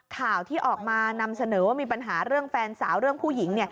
ข่าวที่ออกมานำเสนอว่ามีปัญหาเรื่องแฟนสาวเรื่องผู้หญิง